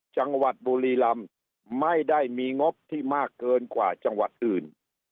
จังหวัดบุรีลำไม่ได้มีงบที่มากเกินกว่าจังหวัดอื่น